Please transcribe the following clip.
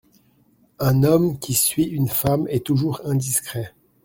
Un homme qui suit une femme est toujours indiscret.